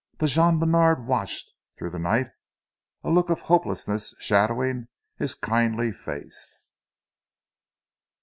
But Jean Bènard watched through the night, a look of hopelessness shadowing his kindly face.